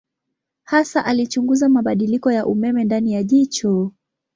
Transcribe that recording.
Hasa alichunguza mabadiliko ya umeme ndani ya jicho.